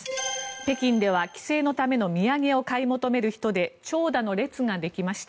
北京では帰省のための土産を買い求める人で長蛇の列ができました。